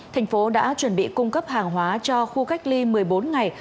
thành phố đã chuẩn bị cung cấp hàng hóa cho khu cách ly một mươi bốn ngày